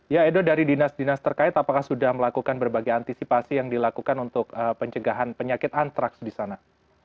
ya edo dari dinas dinas terkait apakah sudah melakukan berbagai antisipasi yang dilakukan untuk pencegahan penyakit antraks di sana